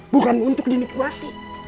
bukan untuk dinikmati